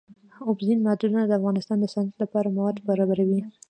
اوبزین معدنونه د افغانستان د صنعت لپاره مواد برابروي.